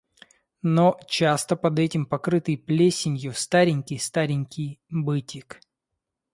Но часто под этим, покрытый плесенью, старенький-старенький бытик.